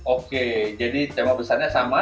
oke jadi tema besarnya sama